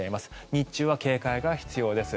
日中は警戒が必要です。